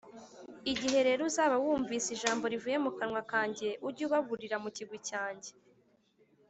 Igihe rero uzaba wumvise ijambo rivuye mu kanwa kanjye, ujye ubaburira mu kigwi cyanjye.